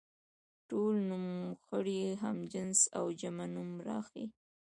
ټول نومځري هم جنس او جمع نوم راښيي.